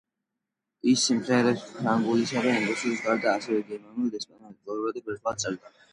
ის სიმღერებს, ფრანგულისა და ინგლისურის გარდა, ასევე გერმანულად, ესპანურად, იტალიურად და ბერძნულად წერდა.